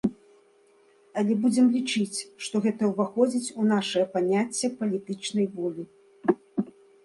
Але будзем лічыць, што гэта ўваходзіць у нашае паняцце палітычнай волі.